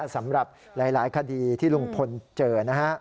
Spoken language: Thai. สำหรับหลายคดีที่ลุงพลเจอนะฮะ